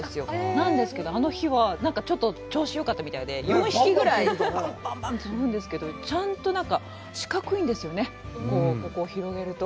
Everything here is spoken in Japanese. なんですけど、あの日はちょっと調子がよかったみたいで、４匹ぐらい、ばんばんと飛ぶんですけど、ちゃんとなんか四角いんですよね、ここを広げると。